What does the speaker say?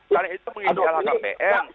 kalian itu mengizalah kpm